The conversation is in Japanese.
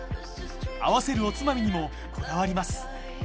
合わせるおつまみにもこだわります